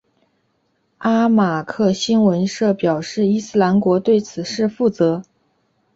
阿马克新闻社表示伊斯兰国对此事负责。